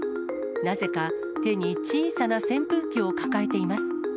なぜか手に小さな扇風機を抱えています。